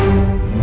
nanti gue jalan